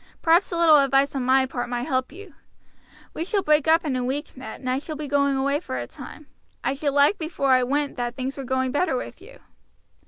Perhaps a little advice on my part might help you. We shall break up in a week, Ned, and I shall be going away for a time. I should like to think before I went that things were going on better with you."